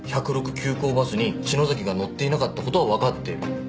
急行バスに篠崎が乗っていなかった事はわかってる。